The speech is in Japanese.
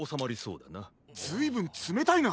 ずいぶんつめたいな。